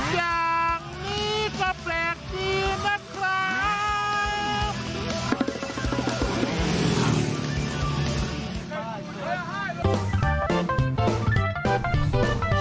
อย่างนี้ก็แปลกดีนะครับ